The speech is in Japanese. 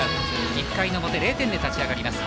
１回の表０点で立ち上がります。